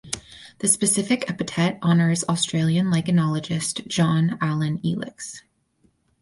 The specific epithet honours Australian lichenologist John Alan Elix.